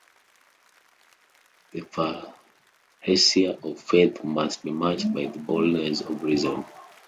The parrhesia of faith must be matched by the boldness of reason.